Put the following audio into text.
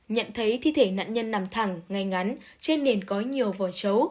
nhận thấy thi thể nạn nhân nằm thẳng ngay ngắn trên nền có nhiều vò chấu